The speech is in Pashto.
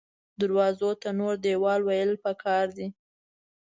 دروازو ته نور دیوال ویل پکار دې